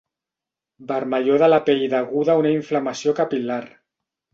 Vermellor de la pell deguda a una inflamació capil·lar.